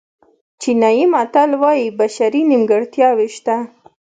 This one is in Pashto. چینایي متل وایي بشري نیمګړتیاوې شته.